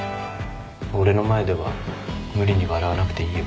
俺の前では無理に笑わなくていいよ。